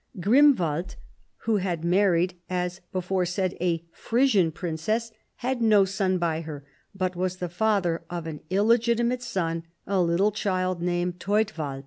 Grimwald, who had 48 CHARLEMAGNE. married, as before said, a Frisian princess, had no son by her, but was the father of an illegitimate son, a little child named Theudwald.